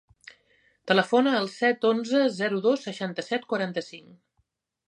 Telefona al set, onze, zero, dos, seixanta-set, quaranta-cinc.